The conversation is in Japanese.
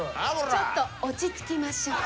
ちょっと落ち着きましょう。